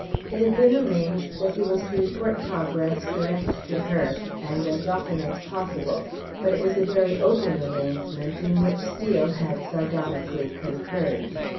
It had been arranged that he was to report progress direct to her, and as often as possible; but it was a very open arrangement, in which Steel had sardonically concurred.